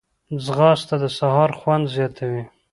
ځغاسته د سهار خوند زیاتوي